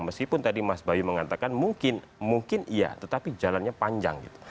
meskipun tadi mas bayu mengatakan mungkin mungkin iya tetapi jalannya panjang gitu